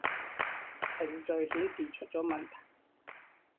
程序顯示出咗問題